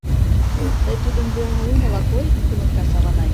Тый тудын велне улмыла кой, — туныкта Саванай.